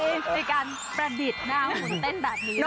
ติดใจในการประบิษหน้าขันเต้นแบบนี้